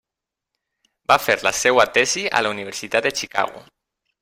Va fer la seva tesi a la universitat de Chicago.